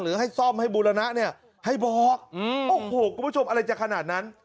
ให้ซ่อมให้บูรณะเนี่ยให้บอกโอ้โหคุณผู้ชมอะไรจะขนาดนั้น